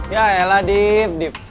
ya elah dip dip